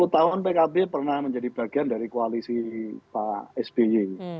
sepuluh tahun pkb pernah menjadi bagian dari koalisi pak sby